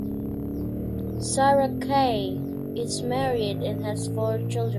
Sara Kaya is married and has four children.